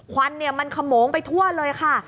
ควันมันขโมงไปทั่วเลยค่ะ